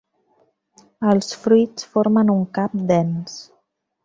Els fruits formen un cap dens.